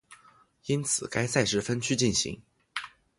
因此该赛事分区进行。